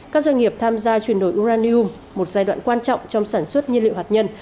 các doanh nghiệp tham gia chuyển đổi uranium một giai đoạn quan trọng trong sản xuất nhiên liệu hạt nhân